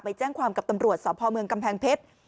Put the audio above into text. แจ้งความกับตำรวจสพเมืองกำแพงเพชร